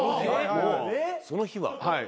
「その日は」？